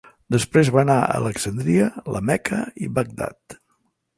Després va anar a Alexandria, la Meca i Bagdad.